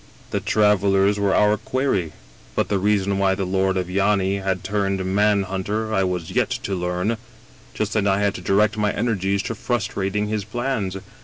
The travelers were our quarry. But the reason why the Lord of Yany had turned man hunter I was yet to learn. Just then I had to direct my energies to frustrating his plans.